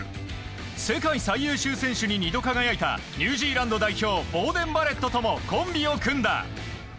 世界最優秀選手に２度輝いたニュージーランド代表ボーデン・バレットともコンビを組んだ。